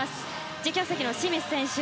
実況席の清水選手